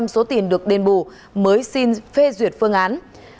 năm mươi số tiền được đền bù mới xin phê duyệt phương án